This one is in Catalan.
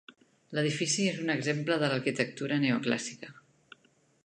L'edifici és un exemple d'arquitectura neoclàssica.